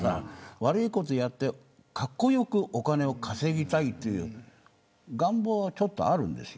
悪いことをやって格好よくお金を稼ぎたいという願望がちょっとあるんですよ。